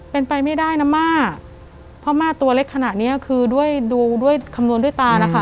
เป็นไปไม่ได้นะม่าเพราะม่าตัวเล็กขนาดเนี้ยคือด้วยดูด้วยคำนวณด้วยตานะคะ